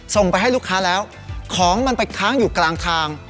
ส่งไปให้ลูกค้าแล้วของมันไปค้างอยู่กลางทาง